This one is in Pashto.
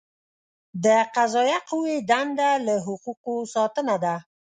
د قضائیه قوې دنده له حقوقو ساتنه ده.